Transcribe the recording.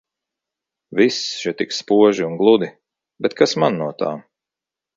Viss še tik spoži un gludi, bet kas man no tā.